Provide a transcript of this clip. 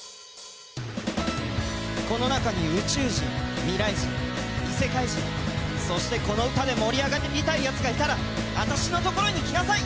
この中に宇宙人、未来人異世界人そして、この歌で盛り上がりたいやつがいたら私のところに来なさい。